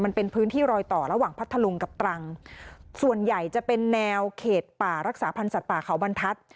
มันเป็นพื้นที่รอยต่อระหว่างพัทธลุงกับตรังส่วนใหญ่จะเป็นแนวเขตป่ารักษาพันธ์สัตว์ป่าเขาบรรทัศน์